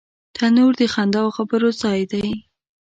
تنور د خندا او خبرو ځای دی